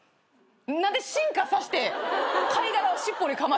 何で進化させて貝殻を尻尾にかまして。